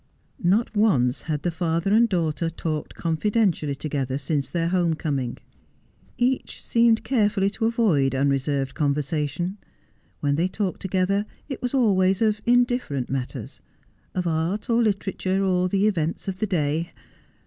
Not once had the father and daughter talked confidentially together since their home coming. Each seemed carefully to avoid unreserved conversation. When they talked together it was always of indifferent matters, of art, or literature, or the events of the day.